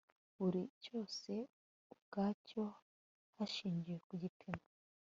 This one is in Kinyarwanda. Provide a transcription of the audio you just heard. buri cyose ukwacyo hashingiwe ku gipimo